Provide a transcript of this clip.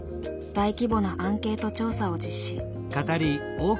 大規模なアンケート調査を実施。